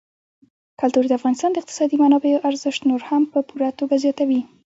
کلتور د افغانستان د اقتصادي منابعو ارزښت نور هم په پوره توګه زیاتوي.